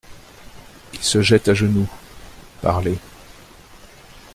Il se jette à genoux…" Parlé.